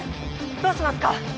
どうしますか！？